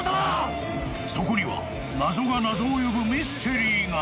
［そこには謎が謎を呼ぶミステリーが］